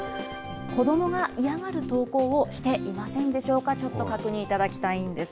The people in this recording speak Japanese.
子どもが嫌がる投稿をしていませんでしょうか、ちょっと確認いただきたいんです。